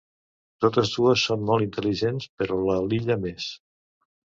Totes dues són molt intel·ligents, però la Lila més.